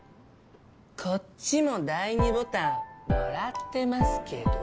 こっちも第ニボタンもらってますけど。